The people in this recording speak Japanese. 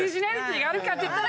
あるかっていったら。